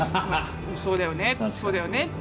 「そうだよねそうだよね」って。